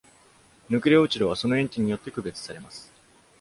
ヌクレオチドはその塩基によって区別されます。